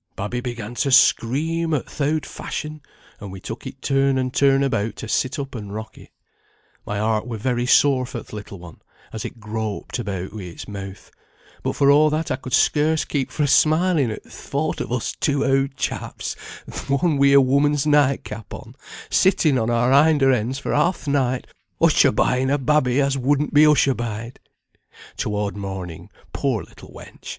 Babby began to scream o' th' oud fashion, and we took it turn and turn about to sit up and rock it. My heart were very sore for th' little one, as it groped about wi' its mouth; but for a' that I could scarce keep fra' smiling at th' thought o' us two oud chaps, th' one wi' a woman's night cap on, sitting on our hinder ends for half th' night, hushabying a babby as wouldn't be hushabied. Toward morning, poor little wench!